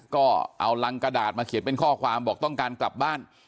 ก็เอารังกระดาษมาเขียนเป็นข้อความบอกต้องการกลับบ้าน